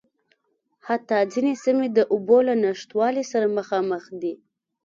حتٰی ځينې سیمې د اوبو له نشتوالي سره مخامخ دي.